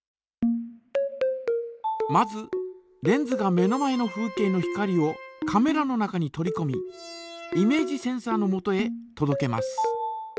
まずレンズが目の前の風景の光をカメラの中に取りこみイメージセンサのもとへとどけます。